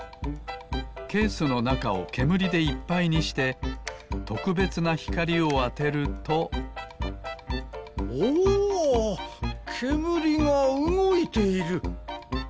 ケースのなかをけむりでいっぱいにしてとくべつなひかりをあてるとおけむりがうごいている！